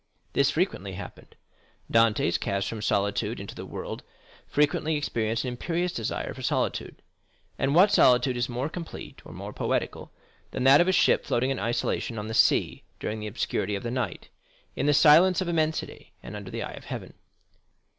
This frequently happened. Dantès, cast from solitude into the world, frequently experienced an imperious desire for solitude; and what solitude is more complete, or more poetical, than that of a ship floating in isolation on the sea during the obscurity of the night, in the silence of immensity, and under the eye of Heaven?